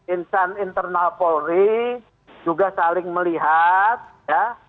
insan internal polri juga saling melihat ya